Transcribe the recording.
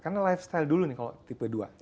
karena lifestyle dulu nih kalau tipe dua